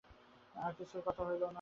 আর কিছু কথা হইল না।